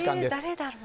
誰だろう